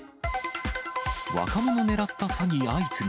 若者狙った詐欺相次ぐ。